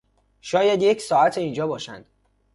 شاید یک ساعته اینجا باشند.